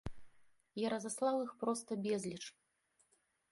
Я разаслаў іх проста безліч.